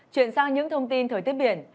chuyển sang những thông tin thời tiết biển